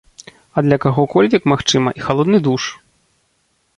А для каго-кольвек, магчыма, і халодны душ.